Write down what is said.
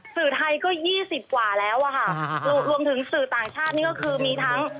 สื่อไทยก็๒๐กว่าแล้วอะค่ะรวมถึงสื่อต่างชาตินี่ก็คือมีทั้ง